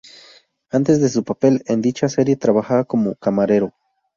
Antes de su papel en dicha serie trabajaba como camarero.